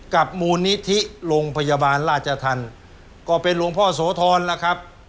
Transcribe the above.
กับมูลนิธิโรงพยาบาลราชธรรมก็เป็นหลวงพ่อโสธรแล้วครับ